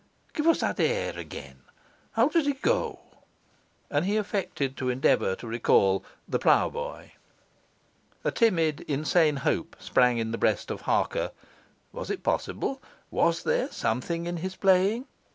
Give us that air again; how does it go?' and he affected to endeavour to recall 'The Ploughboy'. A timid, insane hope sprang in the breast of Harker. Was it possible? Was there something in his playing?